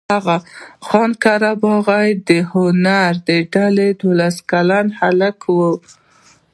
هغه د خان قره باغي د هنري ډلې دولس کلن هلک و.